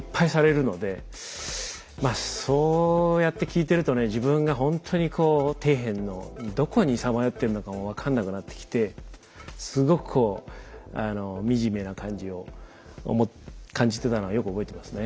まあそうやって聞いてるとね自分がほんとにこう底辺のどこにさまよってるのかも分かんなくなってきてすごくこう惨めな感じを感じてたのはよく覚えてますね。